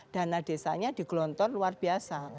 dana desanya digelontor luar biasa